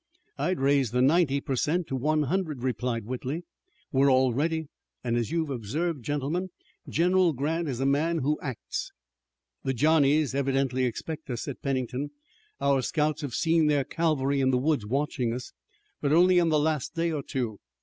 "I'd raise the ninety per cent to one hundred," replied Whitley. "We are all ready an' as you've observed, gentlemen, General Grant is a man who acts." "The Johnnies evidently expect us," said Pennington. "Our scouts have seen their cavalry in the woods watching us, but only in the last day or two.